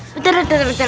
bentar bentar bentar